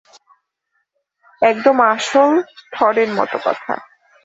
একদম আসল থরের মতো কথা।